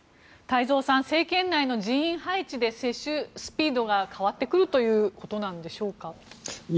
太蔵さん、政権内の人員配置で接種スピードが変わってくるということなんでしょうか。